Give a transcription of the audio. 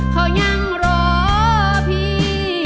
เขายังรอพี่